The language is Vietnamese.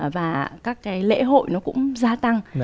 và các cái lễ hội nó cũng gia tăng